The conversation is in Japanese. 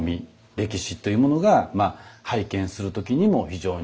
歴史というものが拝見する時にも非常に大事になってきます。